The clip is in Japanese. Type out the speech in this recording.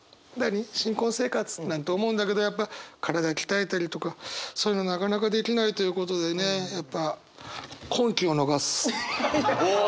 新婚生活なんて思うんだけどやっぱ体鍛えたりとかそういうのなかなかできないということでねやっぱお！